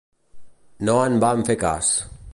No en vam fer cas.